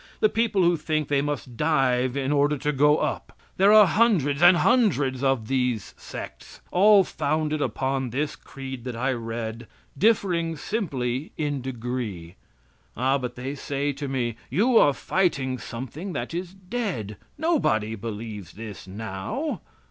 The people who think they must dive in order to go up. There are hundreds and hundreds of these sects, all founded upon this creed that I read, differing simply in degree. Ah but they say to me: "You are fighting something that is dead. Nobody believes this, now."